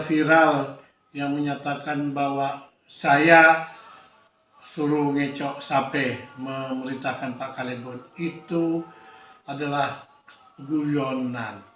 itu adalah gulyonan